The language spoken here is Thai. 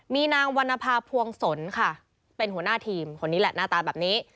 มีนางวรรณภาพวงศลค่ะเป็นหัวหน้าทีมคนนี้แหละหน้าตาแบบนี้